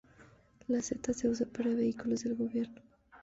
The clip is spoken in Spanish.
La Z se usa para vehículos del gobierno.